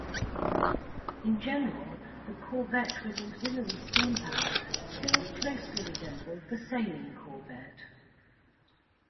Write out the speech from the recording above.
In general the corvette with auxiliary steam power still closely resembled the sailing corvette.